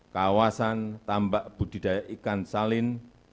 kawasan tambak budidaya ikan salin